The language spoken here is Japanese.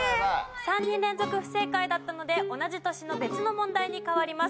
３人連続不正解だったので同じ年の別の問題に変わります。